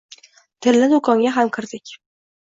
Tilla doʻkonga ham kirdik.